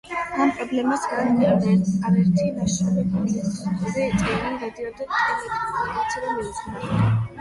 ამ პრობლემას მან არერთი ნაშრომი, პუბლიცისტური წერილი, რადიო და ტელეგადაცემა მიუძღვნა.